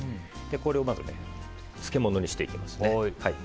これをまず、漬物にしていきます。